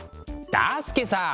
だすけさあ